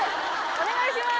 お願いしまーす！